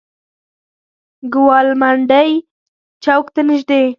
ګوالمنډۍ چوک ته نزدې.